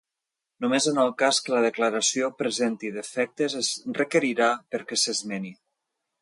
Només en el cas que la declaració presenti defectes es requerirà perquè s'esmeni.